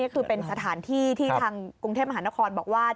คือเป็นสถานที่ที่ทางกรุงเทพมหานครบอกว่า